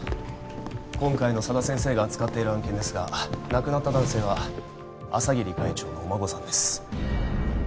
今回の佐田先生が扱っている案件ですが亡くなった男性は朝霧会長のお孫さんです